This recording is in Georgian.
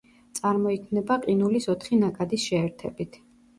წარმოიქმნება ყინულის ოთხი ნაკადის შეერთებით.